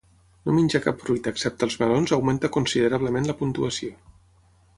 No menjar cap fruita excepte els melons augmenta considerablement la puntuació.